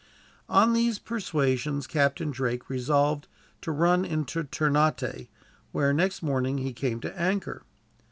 On these persuasions Captain Drake resolved to run into Ternate; where, next morning, he came to anchor.